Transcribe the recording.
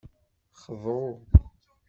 Xḍu.